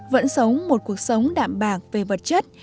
vẫn sống một cuộc sống đạm bạc về vật chất